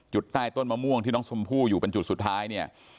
ใต้ต้นมะม่วงที่น้องชมพู่อยู่เป็นจุดสุดท้ายเนี่ย